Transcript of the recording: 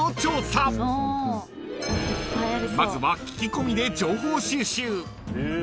［まずは聞き込みで情報収集］